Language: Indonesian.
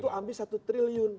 itu ambil satu triliun